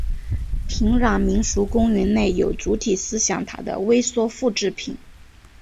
平壤民俗公园内有主体思想塔的微缩复制品。